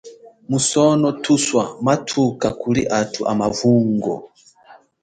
Musono thuswa mathuka kuli athu amavungo.